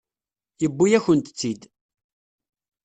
Yewwi-yakent-tt-id.